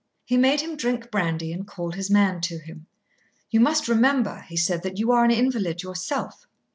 He made him drink brandy and called his man to him. "You must remember," he said, "that you are an invalid yourself."